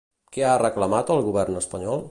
Què ha reclamat al govern espanyol?